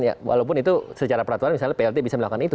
ya walaupun itu secara peraturan misalnya plt bisa melakukan itu